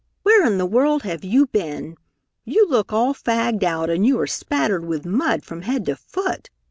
Where in the world have you been? You look all fagged out and you are spattered with mud from head to foot!